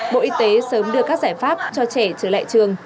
bộ y tế sớm đưa các giải pháp cho trẻ trở lại trường